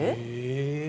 え？